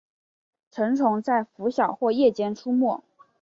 成虫在拂晓或夜间出没。